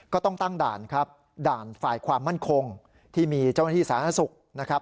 ก็ต้องตั้งด่านครับด่านฝ่ายความมั่นคงที่มีเจ้าหน้าที่สาธารณสุขนะครับ